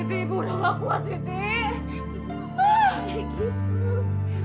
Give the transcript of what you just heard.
siti ibu tolong aku ya siti